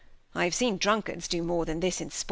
— I have seen Drunkards do more than this in Sport.